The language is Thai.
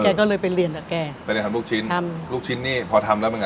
แกก็เลยไปเรียนกับแกไม่ได้ทำลูกชิ้นทำลูกชิ้นนี่พอทำแล้วมึงอ่ะ